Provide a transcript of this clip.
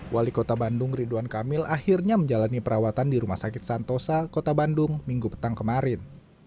wali kota bandung ridwan kamil akhirnya menjalani perawatan di rumah sakit santosa kota bandung minggu petang kemarin